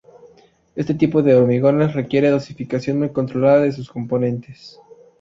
Este tipo de hormigones requiere dosificación muy controlada de sus componentes.